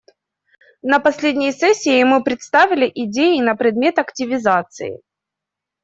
На последней сессии мы представили идеи на предмет активизации.